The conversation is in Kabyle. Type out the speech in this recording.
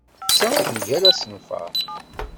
Netta mgal asenfar.